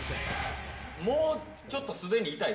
もう、ちょっとすでに痛いで